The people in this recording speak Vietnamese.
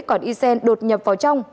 còn ysen đột nhập vào trong